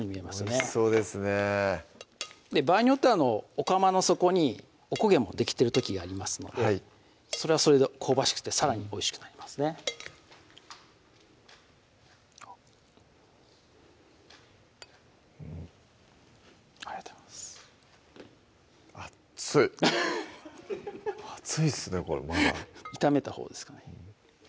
おいしそうですね場合によってはお釜の底にお焦げもできてる時がありますのでそれはそれで香ばしくてさらにおいしくなりますねありがとうございますあっつい熱いですねこれまだ炒めたほうですかね